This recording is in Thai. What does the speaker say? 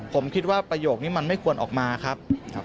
ผมคิดว่าประโยคนี้มันไม่ควรออกมาครับ